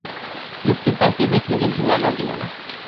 লোকটি তাকিয়ে দেখল, কিন্তু বাধা দিল না।